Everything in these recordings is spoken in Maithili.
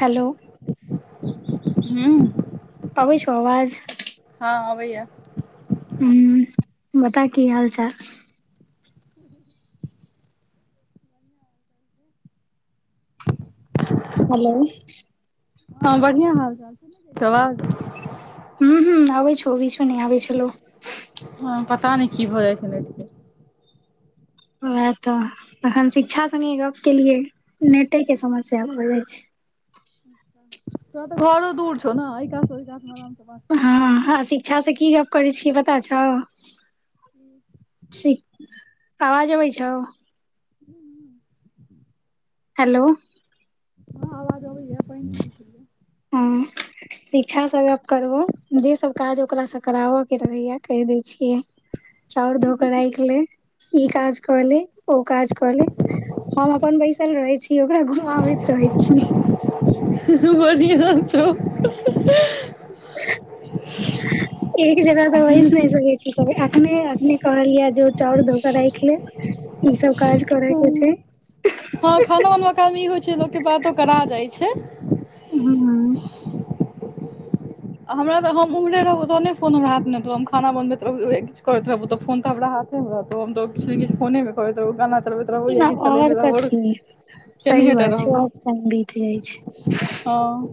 हेलो। हँ। आबै छै आवाज। हँ, अबै यै। हँ, बढ़िया छै। अहाँक हालचाल केहन छै? हेलो। हँ, बढ़िआँ हालचाल छै, आवाज। हँ, आओ छौ? बीछो नहि आबै छलौ? हँ, पता नहि की भऽ जाइ छै ने। उएह तऽ, अखन शिक्षासँगे गप करैमे नेटेके समस्या भऽ जाइत छै। तोरा तऽ घरो दूर छौ ने, कऽ ओ आराम बऽ? हँ, आ शिक्षासँ की गप्प करै छियै, पता छौ? आवाज अबै छै। ह हेलो। हँ, आवाज आबै यै। हँ। शिखासँ गप करबो जे सभ काज ओकरासँ कराबैके रहै, कहि दै छियै। चाउर धो कऽ राखि ले, ई काज कऽ ले, ओ काज कऽ ले। हम अपन बैसल रहै छी, ओकरा घुमाबैत रहै छी। बढ़िया छौ। एक जगह दबइ नहि सकै छी। तऽ अखने अखने कहलियै जे ओ चाउर धो कऽ राखलै। ई सभ काज करैके छै। हँ, खाना वाना, काम ई होइ छै, लोकेपर तऽ कराओ जाइ छै। हू हू। हमरा तऽ हम उम्ररे रहब, तहने फोन हमरा होइत ने। हम खाना बनबैत रहब, किछु करैत रहब, तऽ फोन तऽ हमरा होइत। फोनमे करैत रह, गाना चलबैत रहौ या किछु चलैने और रह। कथी सही बात छै आओर टाइम बीत जाइ छै हँ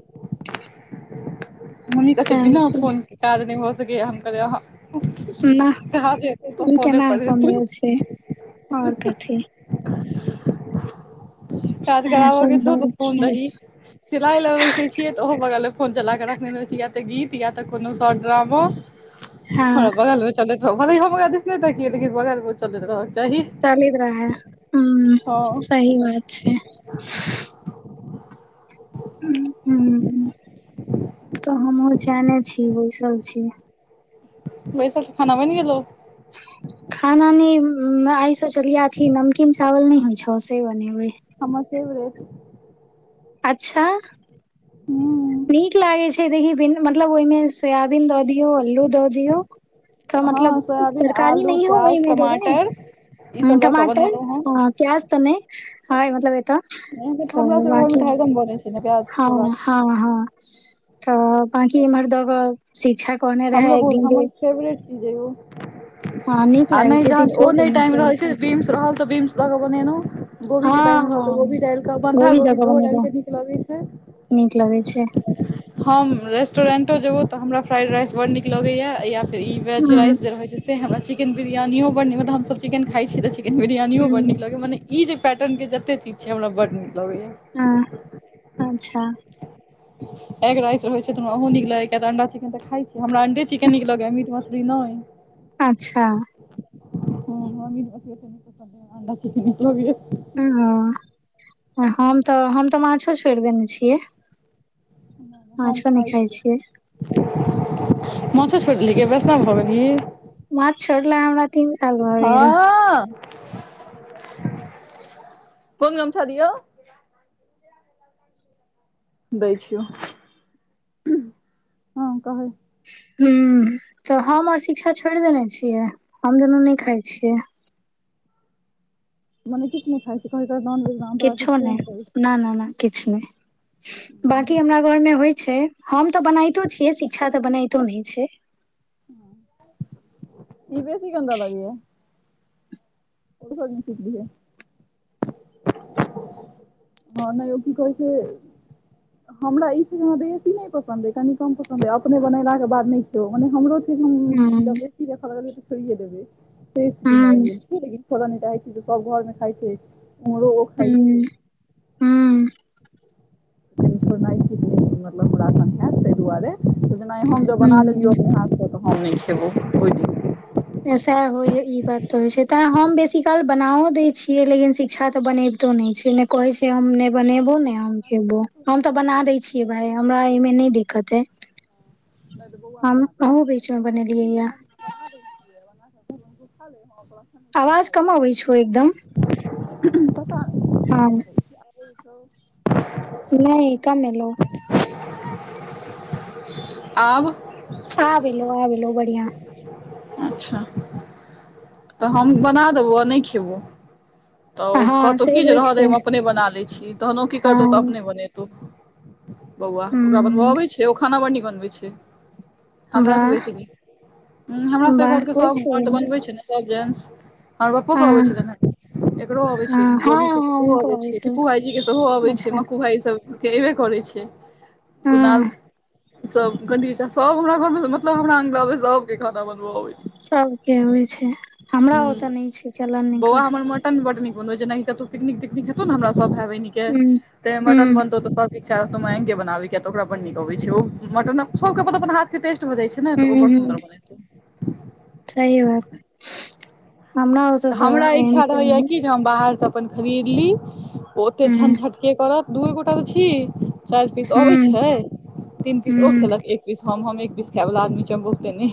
मम्मी कहतय सएह बिना छै फोन काज नहि भऽ सकैया हम कहलिए अहाँ नाह त त ई फोने केना पड़े त [inaudible] [inaudible] सम्भव छै और कथी काज सएह कराबऽ के छौ सम्भव त कोन छै दही सिलाइ लऽ बैसे छियै तऽ ओहो बगले फोन चला के रखने छै या तऽ गीत या तऽ कोनो स ड्रामा हँ हमरा बगल मे चलैत रहने बगमे चलैत रह चली रहै ह हँ सही बात छै ह तऽ हमहुँ चैने छी ओहि सब छी बैसथ खाना बनि गेलो खाना न आइ सोचलिय आथी नमकीन चावल न होइ छो सेे बनेबै हमर फेवरेट अच्छा हँ नीक लागै छै देखीन मतलब ओहिमे सोयाबीन दऽ दियौ अलू दऽ दियौ तऽ हँ मतलब सोयाबीन तरकारी आलू नहि ओहि प्याज मे देवय टमाटर ई हूं सब लऽ कऽ टमाटर बनेलहुँ हँ आ प्याज त नहि मतलब नहिऽ तऽ हमरा सब बाकी घरमेगन बनै छै ने प्याज हँ के बाद हँ हँ तऽ बाकि इम्हर दऽ कऽ शिक्षा कने रहै एक दिन जे जेबो हँ नीक आ लागै नहि छै जहन ओ शिक्षो के नहि नीक टाइम लगै रहैत छै बिंस रहल तऽ बिंस लऽ कऽ बनेलहुँ गोभी के टाइम रहल त हँ गोभी डालिक कऽ बन्धा दऽ गोभी तऽ कऽ ओहो बनेलौ डालकऽ नीक लगैत छै नीक लगे छै हम रेस्टोरेंटो जेबौ तऽ हमरा फ्राइड राइस बड नीक लगैया ई वेज हूँ राइस जे रहै छै से हमरा चिकेन बिरियानियो बड नीक मतलब हमसब चिकेन खा छी तऽ चिकेन बिरियानी ो बड हूँ नीक लगया मने ई जे पैटर्न के जते चीज छै हमरा बड नीक लगे या ह अच्छा एग राइस रहे छै त हमरा ओहो निक लागय यै अंडान त खाय हमरा अंडे चिकन निकलगै मीट मछली नहि अच्छा होइ ह म्मी ने बस त पस दे आंडा च निकल ओ हम तऽ हम तऽ माछो छोड़ि देने छियै हम माछो नहि खाइ छियै छ मछर छोटल के बेचना भनि माछ छोड़ला हमरा तीन साल भ गेलय हँ कोन गमछा दीयो दै छियो हँ कह ह तऽ हम ओर शिक्षा छोड़ देने छियै हम दुनू नहि खाइ छियै मने कि नहि खइ छी क ननेज [unintelligible] किछो नहि न नहि नहि किछ नहि बकी करै हमरा घर मे छी। होइ छै हम तऽ बनातो छियै शिक्षा तऽ बनातो नहि छै ई बेसी गन्द लागैया ओ भग सिकल है [inaudible] हँ नहि यौ की कहै छै [inaudible] हमरा ई छैह बेसी नहि पसन्द ह कनि कम पसन्द ह अपने बनेला के बाद नहि छियौ मने हमरो हूं जब सीड़ खरा तऽ छड़ हूं देबसीेक [unintelligible] छथोड़ नहि चाहै छी सब घर मे खाइ छै उमहरो हू त छो नहि छल मतलब हुड़ा सख त दुआरे जेना हम जे बना हूं लेलियौ अपने हाथसँ तऽ हम नहि सएह होइ ई बात तऽ होइ छै तैं हम बेसीकाल बनाओ दय छियै लेकिन शिक्षा तऽ बनेब को नै छै ने कहै छै हम ने बनेबो ने बो हम तऽ बना दै छियै भााय हमरा एहिमें नहि दिक्कत है तऽ बौआ हम बना देतै अहुँ एहि बीच मे दुआरे बनेलियै य हम बना दै छियै बनाक आवाज कम अबै छौ त एकदम खा ले ओकरा हँ त ओ छ नहि कम एलौ [unintelligible] आब आवलो आबलो बढ़िआ अच्छा तऽ हम बना देबौ आ नहि खेबो तऽ ओ हँ कहतहु से की जे होइ रहऽ द हम छै अपने बना लैत छी तहनो की हँ करतहुँ तऽ अपने बनेतहुँ बौआ ओकरा हूँ बनबबै छै ओ खाना बनी बनबै छै हमर से वाह बेसी नीक हमरा सब वाह घर के होइ सब छै मर् बनबे छै ने सब जेंटस हमर पप्पो हँ के अबै छलनि हे एकरो अबै हँ छै हँ बोलू सब हँ के सेहो हुनको अबै छै छलै दीपू भाईजी के सेहो अबै छै अच्छा मकू भाई सब केबै करै छिय कुणाल हँ सब की सब हमरा घर में मतलब हमरा अग लबे सब नै खाना बनब अबय सबके होइ छै हमरा ओतऽ नहि छै चलन नहि कर छै बड नीक बन जेना पिकनिक तिकनिक हेतौ ने हमरा सब भाईके हूँ तै हूँ मटनतौ त सब इच्छा रहतौंगे बनाबे के ओकरा पर नीकब छै मटन सब प पेस्ट बनै छै ने ओ बड़ सुन्दर बनतै सह बात हमरा हो त हमरा इच्छा त छै रहैया कि हम बाहर से अपन खरीदली ओते हूँ झंझटके करत दूए गोटा छी चाइर पीस अबे हूँ छै तीन पीस ओ हूँ खेलक एक पीस हम हम एक पिस खायबला आदमी छी बहुतेने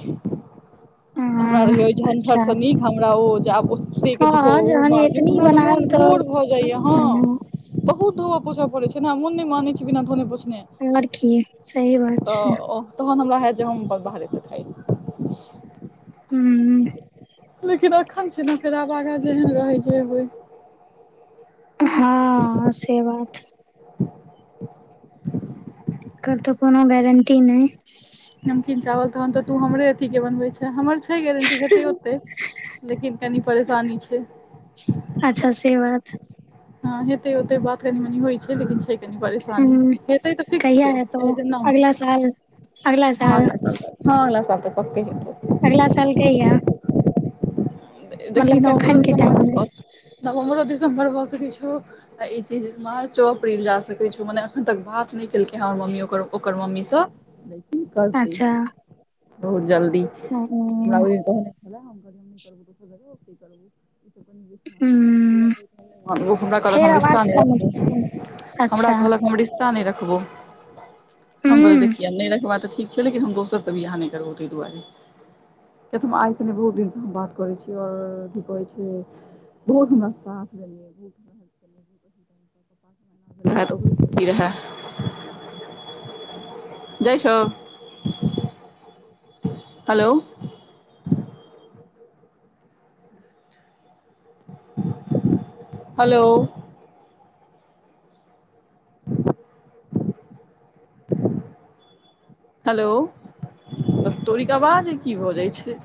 हँ हमरा झंझाट अच्छा से नीक हमरा ओ आब ओतेक हँ धोउ जहन मजू एतनी हमरा ने बनायब मोन तऽ घोर भऽ जाइया हँ आओर बहुत धोआ पोषा पड़ै छै ने हमन नहि मानने छ बिना ध्वने पोष उम्र की यै सही बात छै तहन हमरा हयत जे हम अपन बाहरेसँ खाइ हूँ लेकिन अखन छै ने फेड़ बागा जेहन रहै जे होइ हँ से बात एकर तऽ कोनो गारंटी नै नमकीन चावल तह तऽ तू हमे अथी के बनवे छै हमर छै गारंटी हेतै ओतेक लेकिन कनि परेशानी छै अच्छा से बात हँ हेते ओते बात कनि मनी होइ छै लेकिन छै ह परेशेै त फ्स कहिया छै हेतौ हो अगला साल अगला साल हँ लस त पक ह अगला साल कहि य देखि नवमबरो कखन के टाइम मे दिर नवम्बरो दिसम्बर बस किछु आ ई चीज मार्च अप्रील जा सकैत छै मने एखन तक बात नहि केलकै हँ हमर मम्मी ओकर मम्मीसँ नहि क करतै अच्छा बहुत जल्दी हमरा ह कह र कर हमरा कहल फेर हम त आवाज कम हमरा अच्छा कहल हम तऽ नहि राखबो हम ह कहलियै तऽ, देखियौ नहि राखब, ए तऽ ठीक। लेकिन हम दोसर सभ इएह नहि करबौ, ताहि दुआरे किया तऽ हम आइसँ बहुत दिनसँ बात करै छी। आओर की कहै छै, बहुत हमरा साथ देलियैहु। आ ती रहऽ। जाइ छै उ, हेलो। हेलो। [inaudible] हेलो, तोहर आवाज की भऽ जाइ छै?